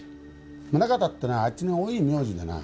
宗形ってのはあっちに多い名字でな。